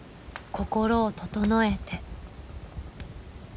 心を整えて。